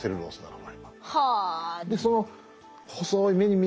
はあ。